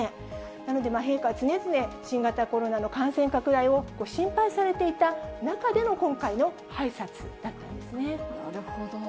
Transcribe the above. なので、陛下は常々、新型コロナの感染拡大を心配されていた中での今回の拝察だったんなるほど。